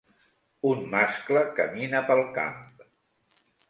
Un mascle camina pel camp.